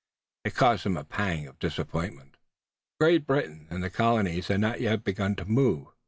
It caused him a pang of disappointment. Great Britain and the Colonies had not yet begun to move.